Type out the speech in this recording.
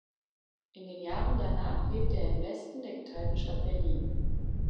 In den Jahren danach lebte er im Westen der geteilten Stadt Berlin.